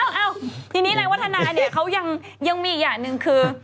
เอ้าทีนี้นายวัฒนาเนี่ยเขายังมีอีกอย่างหนึ่งคือ